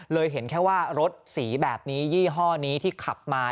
เห็นแค่ว่ารถสีแบบนี้ยี่ห้อนี้ที่ขับมา